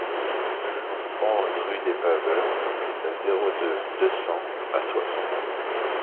onze rue des Paveurs, zéro deux, deux cents à Soissons